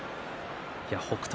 北勝